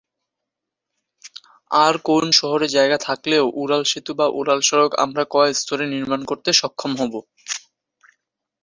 আর কোন শহরে জায়গা থাকলেও উড়াল সেতু বা উড়াল সড়ক আমরা কয় স্তরে নির্মাণ করতে সক্ষম হব?